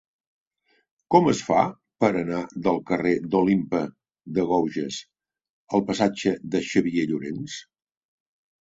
Com es fa per anar del carrer d'Olympe de Gouges al passatge de Xavier Llorens?